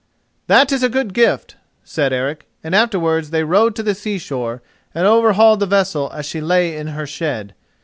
"That is a good gift," said Eric; and afterwards they rode to the seashore and overhauled the vessel as she lay in her shed.